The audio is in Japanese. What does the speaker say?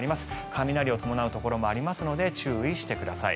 雷を伴うところもありますので注意してください。